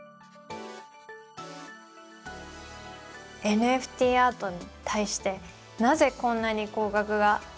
ＮＦＴアートに対してなぜこんなに高額がつくのでしょうか。